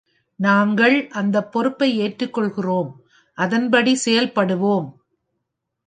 நாங்கள் அந்தப் பொறுப்பை ஏற்றுக்கொள்கிறோம், அதன்படி செயல்படுவோம்.